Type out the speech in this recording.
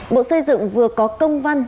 bộ xây dựng vừa có công văn